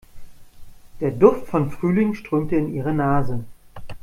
Der Duft von Frühling strömte in ihre Nase.